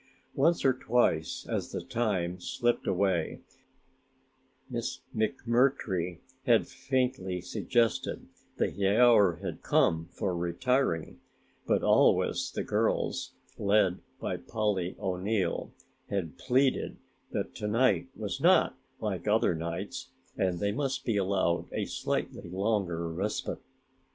Once or twice as the time slipped away Miss McMurtry had faintly suggested that the hour had come for retiring, but always the girls, led by Polly O'Neill, had pleaded that to night was not like other nights, and they must be allowed a slightly longer respite.